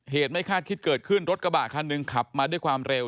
ไม่คาดคิดเกิดขึ้นรถกระบะคันหนึ่งขับมาด้วยความเร็ว